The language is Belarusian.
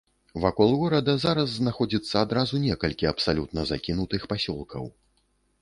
Вакол горада зараз знаходзіцца адразу некалькі абсалютна закінутых пасёлкаў.